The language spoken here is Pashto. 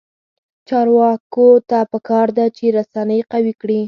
چارواکو ته پکار ده چې، رسنۍ قوي کړي.